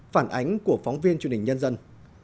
phản ánh của phóng viên truyền hình nhân dân